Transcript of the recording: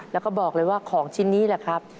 แล้วก็บอกเลยว่าของชิ้นนี้แหละครับ